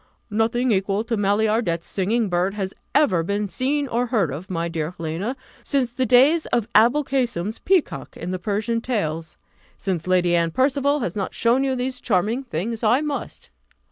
"Nothing equal to Maillardet's singing bird has ever been seen or heard of, my dear Helena, since the days of Aboulcasem's peacock in the Persian Tales. Since Lady Anne Percival has not shown you these charming things, I must."